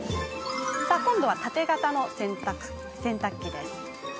今度は縦型の洗濯機。